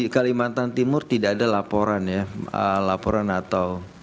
kalimantan timur tidak ada laporan ya laporan atau